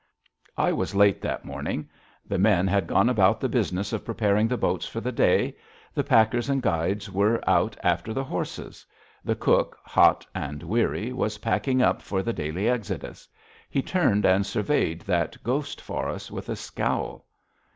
I was late that morning. The men had gone about the business of preparing the boats for the day. The packers and guides were out after the horses. The cook, hot and weary, was packing up for the daily exodus. He turned and surveyed that ghost forest with a scowl.